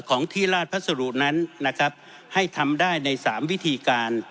ของที่ราชพัสดุนั้นนะครับให้ทำได้ในสามวิธีการ